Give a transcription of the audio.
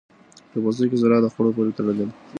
د پوستکي ځلا د خوړو پورې تړلې ده.